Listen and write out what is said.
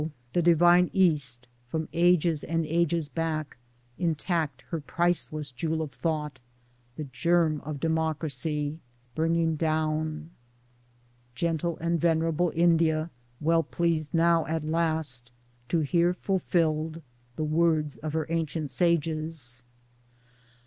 the divine East from ages and ages back intact her priceless jewel of thought — the germ of Democracy — bringing down ! [Gentle and venerable India well pleased now at last to hear fulfilled the words of her ancient sages.